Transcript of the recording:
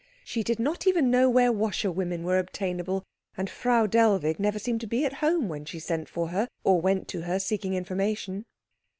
She did not even know where washerwomen were obtainable, and Frau Dellwig never seemed to be at home when she sent for her, or went to her seeking information.